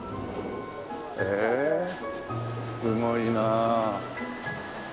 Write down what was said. へえすごいなあ。